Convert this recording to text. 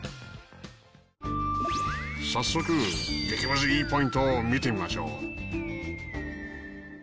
早速激ムズいいポイントを見てみましょう。